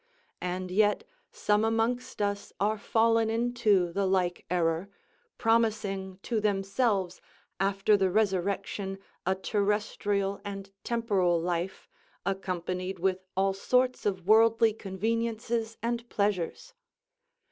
And yet some amongst us are fallen into the like error, promising to themselves after the resurrection a terrestrial and temporal life, accompanied with all sorts of worldly conveniences and pleasures.